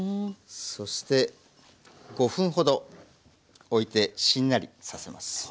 そして５分ほどおいてしんなりさせます。